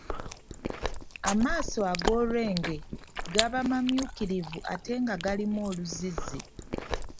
Amaaso ag'olwenge gaba mamyukirivu ate nga galimu oluzzizzi.